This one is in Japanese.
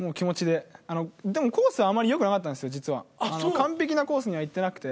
完璧なコースには行ってなくて。